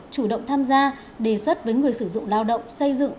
chủ động tham gia đề xuất với người sử dụng lao động xây dựng